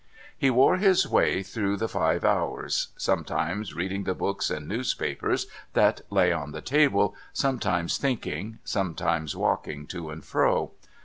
He wore his way through the five hours ; sometimes reading the books and newspapers that lay on the table : sometimes thinking : sometimes walking to and fro.